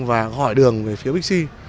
và gọi đường về phía bixi